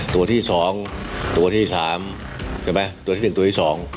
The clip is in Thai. ตัวที่สองตัวที่สามใช่ไหมตัวที่หนึ่งตัวที่สอง